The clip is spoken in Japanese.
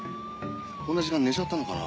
こんな時間に寝ちゃったのかな。